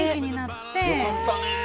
よかったね。